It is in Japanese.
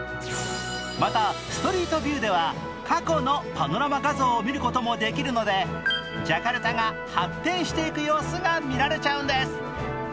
また、ストリートビューでは過去のパノラマ画像を見ることもできるのでジャカルタが発展していく様子が見られちゃうんです。